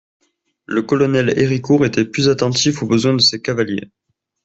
Le colonel Héricourt était plus attentif aux besoins de ses cavaliers.